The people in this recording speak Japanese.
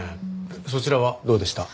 そちらはどうでした？